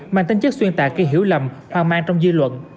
mà tính chất xuyên tạc khi hiểu lầm hoang mang trong dư luận